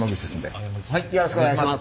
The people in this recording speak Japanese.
よろしくお願いします。